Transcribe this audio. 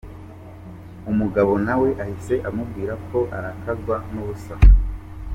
Umugabo na we ahise amubwira ko arakazwa n’ubusa.